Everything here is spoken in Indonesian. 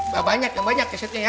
ya banyak banyak kesetnya ya